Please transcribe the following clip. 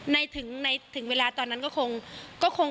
ในถึงเวลาตอนนั้นก็คง